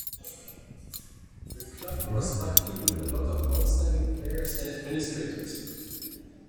The club was lucky with a lot of outstanding players and administrators.